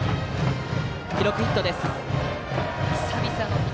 記録はヒットです。